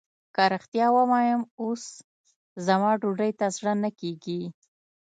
که رښتيا ووايم اوس زما ډوډۍ ته زړه نه کېږي.